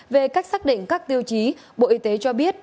về cách xác định các tiêu chí bộ y tế cho biết